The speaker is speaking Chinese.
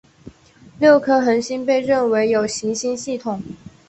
六颗恒星被认为有行星系统。